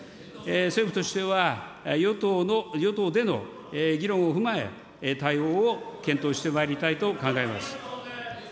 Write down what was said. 政府としては、与党の、与党での議論を踏まえ、対応を検討してまいりたいと考えます。